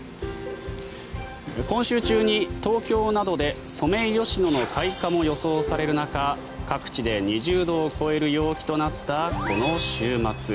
今週中に東京などでソメイヨシノの開花も予想される中各地で２０度を超える陽気となったこの週末。